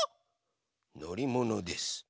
のりものです。